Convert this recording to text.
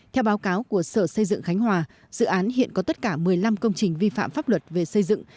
theo báo cáo của sở xây dựng khánh hòa dự án hiện có tất cả một mươi năm công trình vi phạm pháp luật về xây dựng